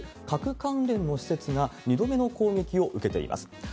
核関連の施設が２度目の攻撃を受けています。